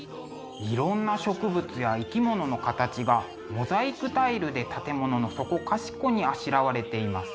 いろんな植物や生き物の形がモザイクタイルで建物のそこかしこにあしらわれています。